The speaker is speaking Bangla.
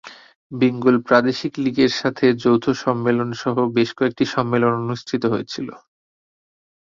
বেঙ্গল প্রাদেশিক লীগের সাথে যৌথ সম্মেলন সহ বেশ কয়েকটি সম্মেলন অনুষ্ঠিত হয়েছিল।